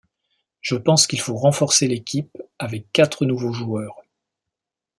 Je pense qu'il faut renforcer l'équipe avec quatre nouveaux joueurs.